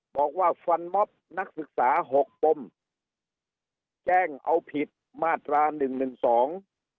บอกว่าฟันม็อบนักศึกษาหกปมแจ้งเอาผิดมาตราหนึ่งหนึ่งสอง